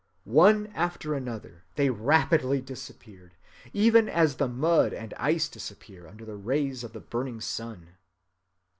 One after another they rapidly disappeared, even as the mud and ice disappear under the rays of the burning sun.